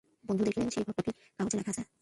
বন্ধুটি দেখিলেন, সেই বাক্যটিই কাগজে লেখা আছে।